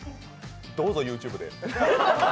どうぞ、ＹｏｕＴｕｂｅで。